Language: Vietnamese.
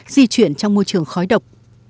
di chuyển trong môi trường khói độc